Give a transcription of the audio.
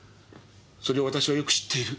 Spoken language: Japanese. それを私はよく知っている。